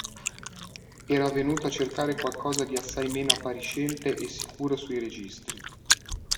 Era venuto a cercare qualcosa di assai meno appariscente e sicuro sui registri.